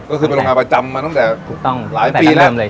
ก็คือเป็นโรงงานประจำมาตั้งแต่ถูกต้องหลายปีแล้ว